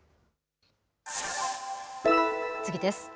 次です。